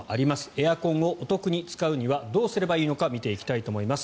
エアコンをお得に使うにはどうすればいいのか見ていきたいと思います。